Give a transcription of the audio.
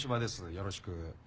よろしく。